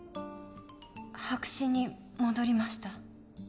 白紙に戻りました。